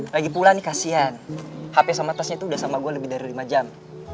lagi pulang nih kasihan hp sama tasnya udah sama gue lebih dari lima jam